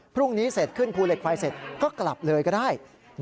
พรุ่งนี้เสร็จขึ้นภูเหล็กไฟเสร็จก็กลับเลยก็ได้